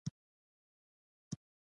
ایا ستاسو نیوکه سالمه ده؟